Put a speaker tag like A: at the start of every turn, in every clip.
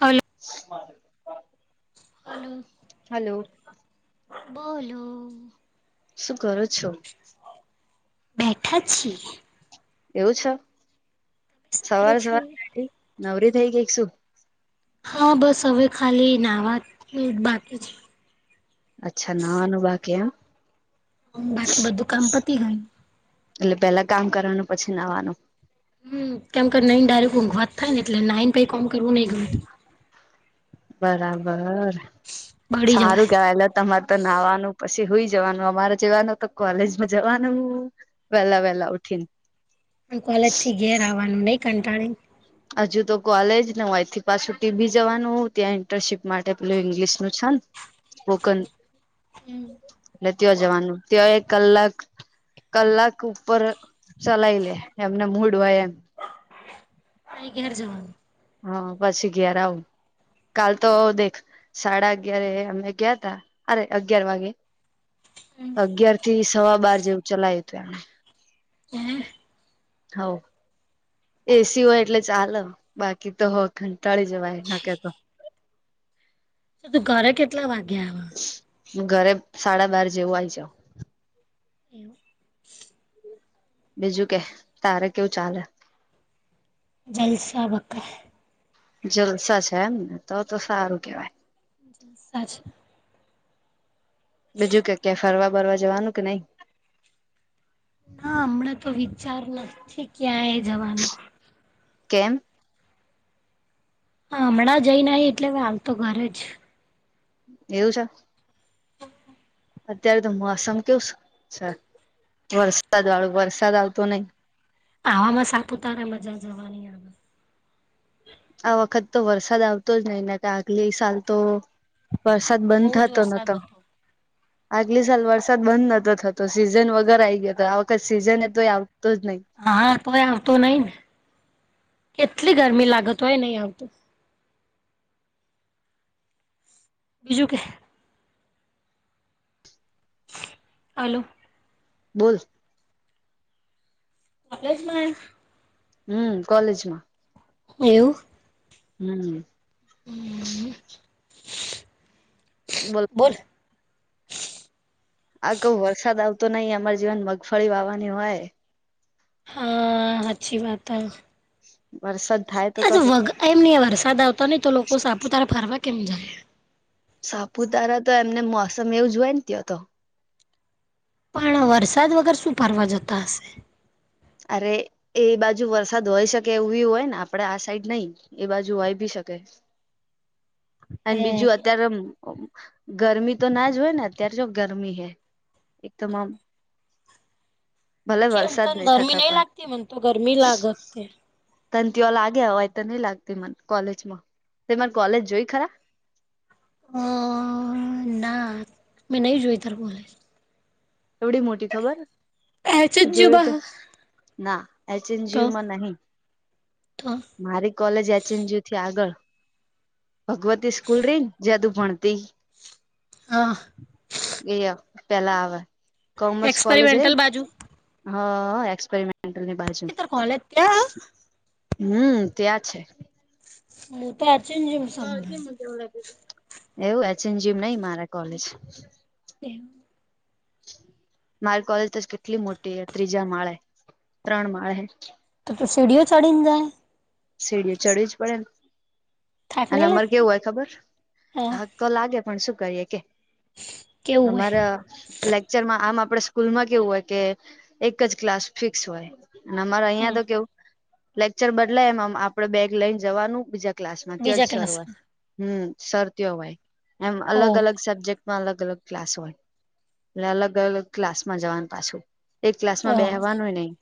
A: Hello.
B: મા [inaudible]
A: hello
B: hello
A: બોલો.
B: શું કરો છો.
A: બેઠા છીએ.
B: એવું છે
A: શું કરો
B: સવાર
A: છો?
B: સવારઠી નવરી થઈ ગઈ શું.
A: હા બસ હવે ખાલી નાવા બાકી છે.
B: અચ્છા નાવાનું બાકી એમ.
A: બાકી બધું કામ પતી ગયું.
B: એટલે પેલા કામ કરવાનું પછી નવાનું.
A: હમ કેમ નઈને ડાયરેક ઊંઘવાત થાય ને એટલે નાઈન ને પહિ કોમ કરવા ન નહી ગમતું.
B: બરાબર
A: બળી
B: સારું
A: જવાય
B: કેવાય તમારે નાવાનું પછી હોય જવાનું અમારે જવાનું તો કોલેજમાં જવાનું વેલા વહેલા ઉઠીન.
A: કોલેજ થી ઘેર આવવાનું નહી કંટાળી.
B: હજુ તો કોલેજ ને હોયથી પાછું ટી ભી જવાનું હો ત્યાં ઇન્ટર્નશીપ માટે પેલું ઈંગ્લિશ નું છે કોકન.
A: હમ્મ
B: એટલે ત્યા જવાનું ત્યા એક કલાક કલાક ઉપર ચલાય લે એમને મૂડ હોય એમ
A: ક કેર જવાનું
B: હા પછી ઘેર આવું કાલ તો દેખ સાડા અગિયાર અમે ગયા તા અરે અગિયાર વાગે અગિયાર થી સવા બાર જેવું ચલાયું હતું એમ
A: હમ્મ
B: હવ એસી હોય એટલે ચાલ બાકી તો હો ઘંટાળી જવાય ન કેતો
A: તું ઘરે કેટલા વાગ્યા આવ
B: હું ઘરે સાડા બાર જેવું આઈ જાવ
A: એવું
B: બીજું કે તારે કેવું ચાલે
A: જલસા બકા
B: જલસા છે એમને તો તો સારું કેવાય
A: છે
B: બીજું કેક કે ફરવા બરવા જવાનું કે નઈ
A: હા હમણાં તો વિચાર નથી ક્યાંય જવાનો
B: કેમ?
A: હમણાં જઈ ન આઈ એટલે હાલતો ઘરે જ
B: એવું છે અત્યારે તો મોસમ કેવું સે, વરસાદવાળું વરસાદ આવતો નઈ
A: આવામાં સાપુતારા મજા જવાની આવે.
B: આ વખત તો વરસાદ આવતો જ નહી, ને તે આગલી સાલ તો વરસાદ બંધ
A: બહુ જ
B: થતો
A: વરસાદ
B: નતો.
A: હતો
B: આગલી સાલ વરસાદ બંધ નતો થતો સીઝન વગર આવી ગયો હતો, આ વખત સીઝન એ તો એ આવતો જ નઈ.
A: હા તોય આવતો નઈ ને, કેટલી ગરમી લાગે તોય નઈ આવતું. બીજું કે અલો
B: બોલ
A: કોલેજમાં હે?
B: હમ્મ, કોલેજમાં.
A: એવુ.
B: હમ્મ
A: [unintelligible]
B: બોલ આ કઉ વરસાદ આવતો નઈ, અમાર જેવા ને મગફળી વાવાની હોય.
A: હા હાચી વાત હ.
B: વરસાદ થાય તો
A: આતો
B: કક
A: વગ, એમ ની વરસાદ આવતો નહિ, તો લોકો સાપુતારા ફરવા કેમ જાય.
B: સાપુતારા તો એમને મોસમ એવુંજ હોય ને ત્યાં તો.
A: પણ વરસાદ વગર શું ફરવા જતા હશે?
B: અરે! એ બાજુ વરસાદ હોય શકે એવું બી હોયને, આપડે આ સાઈડ નઈ. એ બાજુ હોય બી શકે, અને
A: હમ
B: બીજું અત્યારે ગરમી તો ના જ હોય ને, અત્યારે જો ગરમી હૈ એકદમ આમ ભલે વરસાદ નઈ.
A: નહી લાગતી, મને તો ગરમી લાગત સે.
B: તનં તઓ લાગે, હોવાય તો નહી લાગતી મન કોલેજમાં, તે મને કોલેજ જોય ખરા?
A: અ, ના, મેં નહી જોઈ તાર કોલેજ.
B: એવડી મોટી ખબર?
A: એચ જ
B: જોયું તો,
A: જુબા
B: ના એચ એન
A: તો
B: જી માં નહી.
A: તો
B: મારી કોલેજ એચ એન જી થી આગળ. ભગવતી સ્કૂલ રહી, ને જા તું ભણતી.
A: હા.
B: અય પેલા આવે, કોમર્સ કોલેજ એ
A: એક્સપેરિમેન્ટલ બાજુ
B: હા, એક્સપેરિમેન્ટલની બાજુ
A: એ તાર
B: માં
A: કોલેજ ત્યાં
B: હમ્મ, ત્યાં છે.
A: હું તો અચન જીમ [unintelligible]
B: [unintelligible] એવું એચ એન જીમ નહિ મારા કોલેજ.
A: [inaudible]
B: [inaudible] મારી કોલેજ તો કેટલી મોટી હે, ત્રીજા માળે, ત્રણ માળે.
A: તું સીડીઓ ચડીને જાય.
B: સીડીઓ ચડવી જ પડેને
A: થાક
B: અને
A: નહી
B: અમાર
A: લાગતી
B: કેવું હોય ખબર હા. ક લાગે પણ શું કરીએ કે
A: કેવું હોય
B: અમારે લેક ચારમાં આમ આપડે સ્કૂલ માં કેવું હોય કે એક જ ક્લાસ ફિક્સ હોય. અને અમારે અહિયાં
A: હમ
B: તો કેવું લેક્ચર બદલાય એમ આપડે બેગ લઈને જવાનું બીજા ક્લાસમાં ત્યાં
A: બીજા
B: જ સર હોય
A: ક્લાસમાં
B: સર ત્યાં હોય એમ
A: ઓહ
B: અલગ સબ્જેક્ટ માં અલગ અલગ ક્લાસ હોય એટલે અલગ અલગ ક્લાસમાં જવાનું પાછું. એક ક્લાસ માં
A: ઓહ
B: બેહવાનુંય નહીં.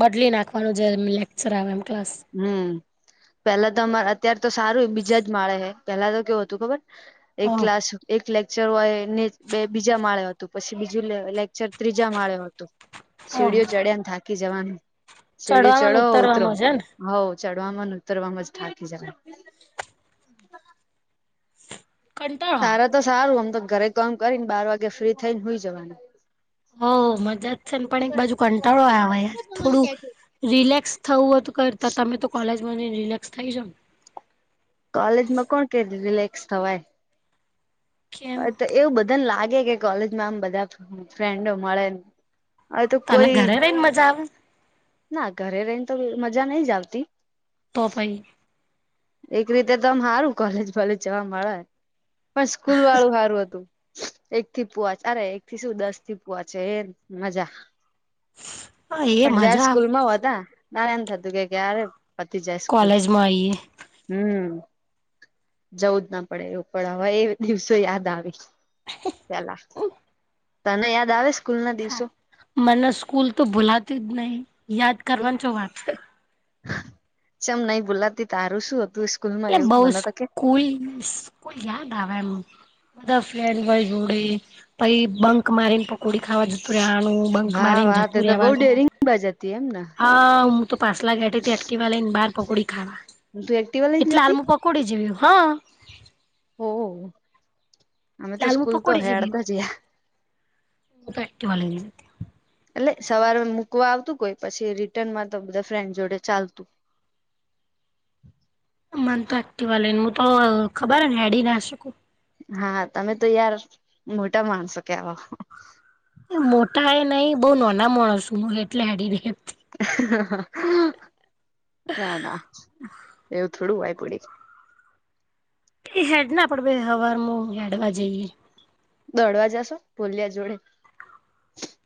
A: બદલી નાખવાનું જે એમ લેક્ચર આવે એમ ક્લાસ.
B: હમ્મ. પેલા તો અમાર અતાર તો સારું બીજા જ માળે હે પેલા તો કેવું હતું ખબર
A: હ
B: એક ક્લાસ એક લેક્ચર હોય ને બે બીજા માળ્યા હતું પછી બીજું લેક્ચર ત્રીજા માળે હતું. સીડીઓ ચડ્યાને થાકી જવાનું સીડીઓ
A: ચડવામાં
B: ચડો ઊતરો.
A: ઉતરવામાં છે ને
B: હઉ ચડવામાં ઉતરવામાં જ થાકી જાય.
A: કંટાળો આવે.
B: તારા તો સારું આમ તો ઘરે કામ કરીને બાર વાગે ફ્રી થઈ ને હોઈ જવાનું.
A: હઓ મજા જ છે ને પણ એક બાજુ કંટાળો આવે યાર થોડું રિલેક્સ થવું હોય તો કરતા તમે તો કોલેજમાં જઈ ને રિલેક્સ થઈ જાવને
B: કોલેજ માં કોણ કે રિલેક્સ થવાય.
A: કેમ
B: તો એવું બધાને લાગે કે કોલેજમાં આમ બધા ફ્રેન્ડો મળેન હ તો
A: તને
B: કોઈ
A: ઘરે રહીને મજા આવે
B: ના ઘરે રહીને તો મજા નઈ જ આવતી.
A: તો ભાઈ.
B: એક રીતે તોમ સારું કોલેજ ભલે જવા મળે પણ સ્કૂલ વાળું સારું હતું. એક થી પૂવાચ અરે એક થી શું દસ થી પૂવાચ એમ મજા.
A: હા એ
B: પણ જયાર
A: મજા આવે
B: સ્કૂલ હાતા ના એમ થતું કે ક્યારે પતી જાય સ્કૂલ
A: માઈએ.
B: હમ્મ જવું જ ના પડે એવું પણ હવે એ દિવસો યાદ આવે. પેલા તને યાદ આવે સ્કૂલ ના
A: હા
B: દિવસો.
A: મને સ્કૂલ તો ભૂલાતી જ નહી યાદ કરવાની ચો વાત હે
B: ચમ નહી ભૂલાતી તારું શું હતું સ્કૂલ માં
A: એટલે
B: એવું
A: બઉ
B: મને તો કે
A: સ્કૂલ યાદ આવે એમ બધા ફ્રેન્ડ હોઈ જોડે પહિ બંક મારીને પકોડી ખાવા જતું રેવાનું બંક
B: હા,
A: મારીને
B: વાત
A: જતું
B: તો બઉ
A: રેવાનું
B: ડેરિંગ બાજ હતી એમને
A: હા, હું તો પાસલા ઘેટે થી એકટીવા લઈને બાર પકોડી ખાવા
B: તું એક્ટિવા
A: એટલે
B: લઈને જતી
A: હાલ મુકો. કુડી જેવી હ
B: હા અમે તો
A: હાલમાં
B: સ્કૂલ તો
A: પકોડી જેવી
B: હેડતા જયા
A: હું તો એકટીવા લઈને
B: એટલે સવારે મૂકવા આવતું કોઈ પછી રિટર્ન માં તો બધા ફ્રેન્ડ જોડે ચાલતું.
A: મન તો એક્ટિવા લઈ ને હું તો ખબર હે ને હેડી ના શકું.
B: હા, તમે તો યાર મોટા માણસો કેવાઓ
A: મોટા એ નહિ બો નોના મોણસું એટલે હેડી રેહે
B: ના ના એવું થોડું વાય પડી
A: એ હેડ ને આપડે બે હવારમા
B: દોડવા જશો? ભોલ્યા જોડે.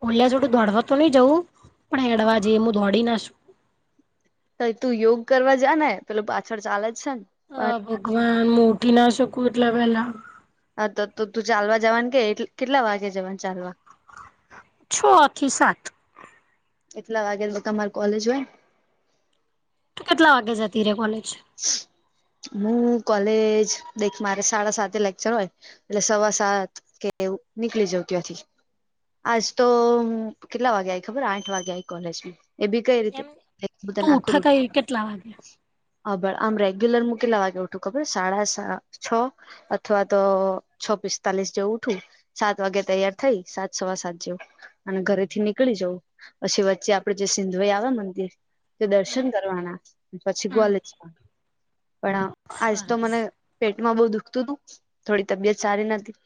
A: ઓલ્યા જોડે દોડવા તો નહી જવું પણ હેડવા જઈએ હું દોડી ના શકુ.
B: તો તું યોગ કરવા જા ને પેલું પાછળ ચાલે જ છે ને.
A: હ, ભગવાન મુ ઉઠી ના શકું એટલાં વેલા.
B: હા તો તો તું ચાલવા જવાને કે કેટલા વાગે જવાની ચાલવા?
A: છ થી સાત.
B: એટલા વાગે તો તમારી કોલેજ હોય ને.
A: તું કેટલા વાગે જતી રેયે કોલેજ.
B: હું કોલેજ દેખ મારે સાડા સાતે લેક્ચર હોય. એટલે સવા સાત કે હું નીકળી જવું ત્યાંથી. આજ તો કેટલાં વાગેઆયી ખબર હું આઠ વાગે આયી કોલેજ. એ બી કઈ
A: એમ
B: રીતે, તને
A: તું
B: આખું
A: ઉઠે
B: રૂટી..
A: કઈ કેટલા વાગ્યા
B: હ, પણ આમ રેગ્યુલર હું કેટલા વાગે ઉઠું ખબર સાડા સાત કે છ.. અથવા તો છ પિસ્તાલીસ જેવું ઉઠું. સાત વાગે તૈયાર થઈ સાત સવા સાત જેવુ. અને ઘરેથી નીકળી જવું, પછી વચ્ચે આપડે જે સિંધવઈ આવે મંદિર.. તે દર્શન કરવાના પછી
A: હા
B: કોલેજમાં, પણ આજ તો મને..
A: સરસ
B: પેટમાં બોવ દુઃખતું તું થોડી તબિયત સારી નથી.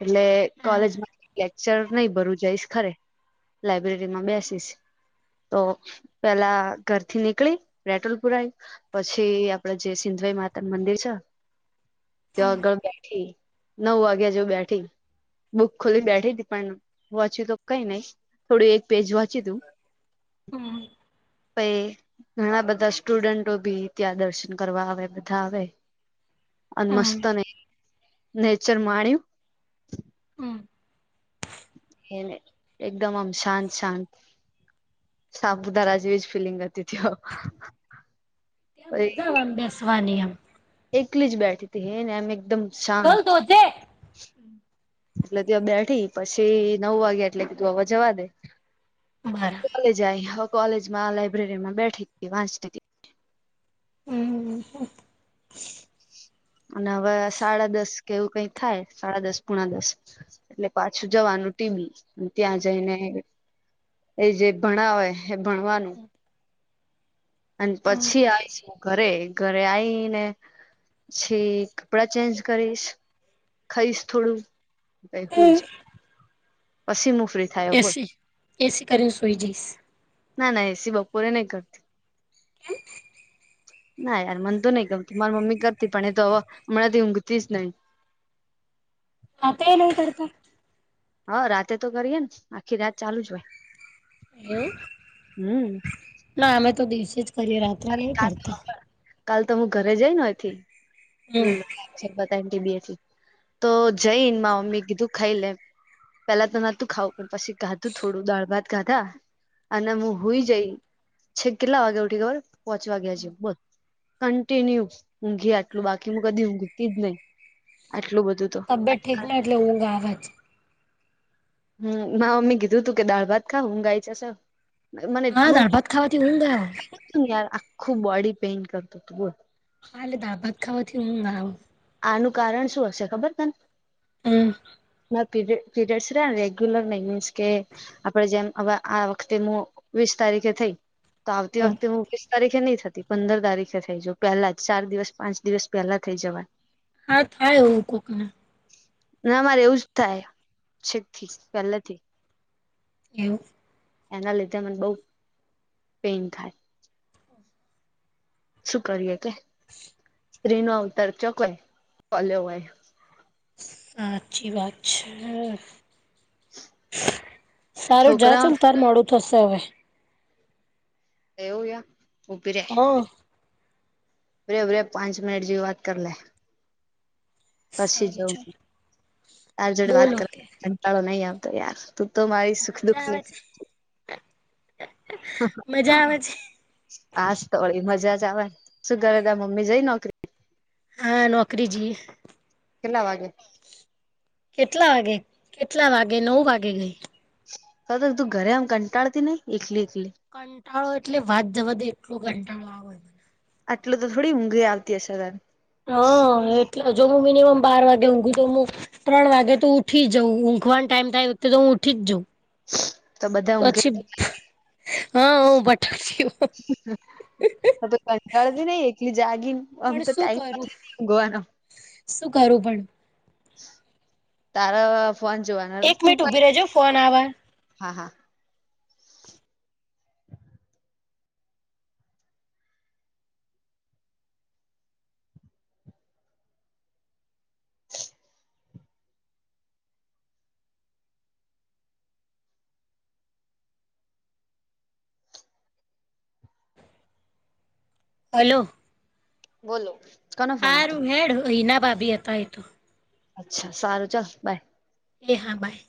B: એટલે
A: હા
B: કોલેજમાં લેક્ચર નહી ભરું જઈશ ખરે. લાયબ્રેરી માં બેસીશ. તો પેલા ઘરથી નીકળી, પેટ્રોલ પુરાયુ.. પછી આપડે જે સિંધયમાતા નું મંદિર છે. ત્યાં આગળ બેઠી. નવ વાગ્યા જેવી બેઠી, બુક ખોલી બેઠી તી પણ વાચ્યું તો કંઈ નઈ. થોડું એક પેજ વાંચ્યુ તું.
A: હમ. !
B: પહીં ઘણાં બધાં સ્ટુડન્ટો ભી. ત્યાં દર્શન કરવા આવે બધાં આવે અને
A: હમ
B: મસ્ત ને. નેચર માણ્યું.
A: હમ. !
B: ને એકદમ આમ શાંત શાંત સાપુતારા જેવી જ ફીલિંગ હતી. [unintelligible]
A: મજા આવે આમ બેસવાની એમ.
B: એકલી જ બેઠતી હે ને એમ એકદમ
A: બોલ
B: શાંત.
A: ધોધે
B: એટલે ત્યાં બેઠી પછી નવ વાગ્યા એટલે કે કીધું હવે જવા દે.
A: [unintelligible]
B: કોલેજ આવી હવે કોલેજ માં લાયબ્રેરી માં બેઠી તી. વાંચતી તી.
A: હં હં હં
B: અને હવે સાડા દસ કેવું કંઈ થાય સાડા દસ પુણા દસ એટલે પાછું જવાનું ટી બી ત્યાં જઈને એ જે ભણાવે એ ભણવાનું.
A: [unintelligible]
B: અને પછી આવીશ ઘરે ઘરે આઈને પછી કપડાં ચેન્જ કરીશ ખઈશ થોડું. પહિ હુઈ જ ઈપછી મુ
A: એસી એસી કરીને સુઈ જઈશ.
B: ના ના એસી બપોરે નહી કરતી.
A: કેમ.
B: ના યાર મનતું નહી ગમતું માર મમ્મી કરતી પણ એ તો હવ હમણાથી ઊંઘતી જ નહી. [inaudible]
A: વાતો એ નહી કરતા.
B: હા રાતે તો કરીએે ને આખી રાત ચાલુ જ હોય.
A: એવું
B: હમ
A: ના અમે તો દિવસે જ કરી રા
B: અરે કાલ તો કાલ તો હું ઘરે જઈ ને આઈ થી.
A: હમ
B: ટીબી તો જઈન મા મમ્મી કીધું ખાઈ લે પેલા તો નતું ખાવ પણ પછી કાધું થોડું દાળ ભાત ખાધા અને હું હુઈ જય છેક હું કેટલા વાગે ઉઠી ખબર છે. પોહોચવા ગયા છે બસ કન્ટિન્યુ ઊંઘી આટલું બાકી હું કદી હું ઊંઘતી જ નહી. આટલું બધું તો
A: તબયત ઠીક ના હોય એટલે ઊંઘ આવે જ.
B: હમ્મ મા મમ્મી કીધું તું કે દાળ ભાત ખાવ હું ઊંઘ આય જશે. મને
A: હા
B: એટલું
A: દાળ ભાત ખાવાથી ઊંઘ આવે
B: [unintelligible] આખું બોડી પેઇન કરતું હતું બોલ.
A: હાલે દાળ ભાત ખાવાથી ઊંઘ ના આવ.
B: આનું કારણ શું હશે ખબર તને
A: હમ્મ.
B: પીરીયડ રેગ્યુલર નઈ મીન્સ કે આપે જેમ હવે આ વખતે હું વીસ તારીખે થઈ તો આવતી વખતે હું વીસ તારીખે નઈ થતી પંદર તારીખે થઈ જો પહેલા જ ચાર દિવસ પાંચ દિવસ પહેલા થઈ જવાય
A: હા થાય એવું કોક ને.
B: ના મારે એવું જ થાય છેક થી પહેલેથી
A: એવું.
B: એના લીધે મને બઉ પેન થાય. શું કરીએ કે
A: [inaudible]
B: સ્ત્રી નો અવતર ચોકવાય કોલ્યો હોય.
A: સાચી વાત છે. સારું જા ચલ
B: છોકરાઓને
A: તાર મોડું થશે હવે.
B: એવું હે ઉભી રે.
A: હા
B: ઉભી રે ઊભી રે પાંચ મિનીટ જેવી વાત કર લે. પછી
A: સારું
B: જઉં
A: ચાલ
B: તાર જોડે વાત
A: બોલો
B: કર કંટાળો નહી આવતો યાર તું તો મારી સુખ દુખ
A: મજા આવે
B: ની
A: છે મજા આવે છે
B: હાસ તો વળી મજા જ આવે શું કરે તાર મમ્મી જઈ નોકરી
A: હા નોકરી જી
B: કેટલા વાગે.
A: કેટલા વાગે કેટલા વાગે નવ વાગે ગઈ.
B: તો તું ઘરે આમ કંટાળતી નહીં એકલી એકલી
A: કંટાળો એટલે વાત જવા દે એટલો કંટાળો આવે
B: આટલુ તો થોડી ઊંઘ એય આવતી હશે તન
A: હ એટલે જો હું મિનિમમ બાર વાગે ઊંઘું તો મુ ત્રણ વાગે તો ઉઠી જઉં ઊંઘવાનો ટાઈમ થાય એ વખતે તો હું ઉઠી જ જાઉં
B: [inaudible] ઊંઘે
A: પછી હ હું પટાકયો
B: હવે કંટાળતી નઈ એકલી જાગિન આબ
A: પણ
B: તો
A: શું
B: ટાઈમ
A: કરું
B: નથી [unintelligible] ઊંઘવાનો.
A: શું કરુ પણ
B: તાર ફોન જોવાના
A: એક મિનીટ ઉભી રે જે હો ફોન આવ
B: હા હા [inaudible]
A: હેલો
B: બોલો કન
A: હારું હેળ હીના ભાભી હતા ઈ તો.
B: અચ્છા સારું ચલ બાય.
A: એ હા બાય.